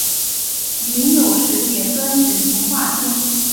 膦有时也专指磷化氢。